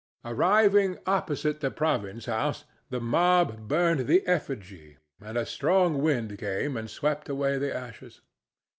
Arriving opposite the province house, the mob burned the effigy, and a strong wind came and swept away the ashes.